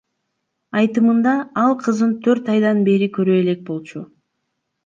Айтымында, ал кызын төрт айдан бери көрө элек болчу.